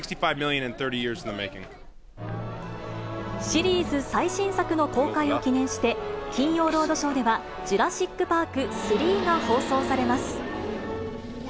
シリーズ最新作の公開を記念して、金曜ロードショーでは、ジュラシック・パーク３が放送されます。